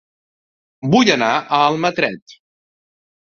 Vull anar a Almatret